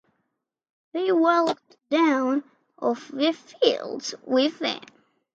They walked down to the fields with them.